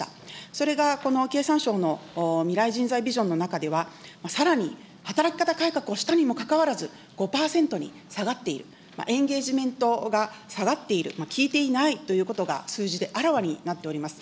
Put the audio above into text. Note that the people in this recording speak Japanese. それがこの経産省の未来人材ビジョンの中では、さらに働き方改革をしたにもかかわらず、５％に下がっている、エンゲージメントが下がっている、効いていないということが数字であらわになっております。